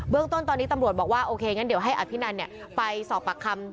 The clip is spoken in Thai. เรื่องต้นตอนนี้ตำรวจบอกว่าโอเคงั้นเดี๋ยวให้อภินันไปสอบปากคำ